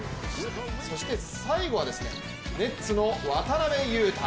そして最後はネッツの渡邊雄太。